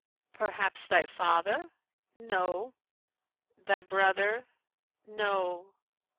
Perhaps thy father?' No!' Thy brother?' "No!'